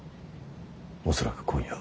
恐らく今夜。